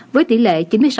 với tỷ lệ chín mươi sáu năm